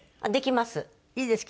いいですか？